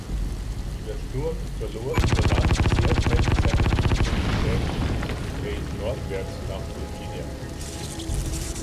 Der Sturm verlor über Land sehr schnell seine Intensität und dreht nordwärts nach Virginia.